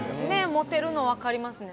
モテるの分かりますね